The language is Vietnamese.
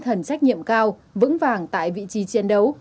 với tinh thần trách nhiệm cao vững vàng tại vị trí chiến đấu